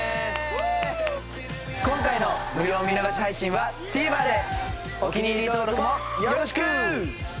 今回の無料見逃し配信はお気に入り登録もよろしく！